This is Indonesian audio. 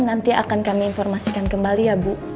nanti akan kami informasikan kembali ya bu